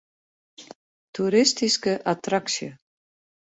Toeristyske attraksje.